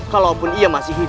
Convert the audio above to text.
kalaupun ia masih hidup